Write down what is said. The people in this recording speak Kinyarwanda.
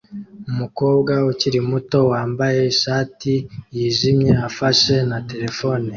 Umukobwa ukiri muto wambaye ishati yijimye afashe na terefone